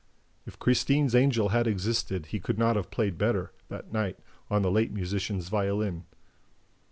If Christine's Angel had existed, he could not have played better, that night, on the late musician's violin.